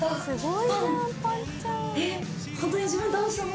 すごい。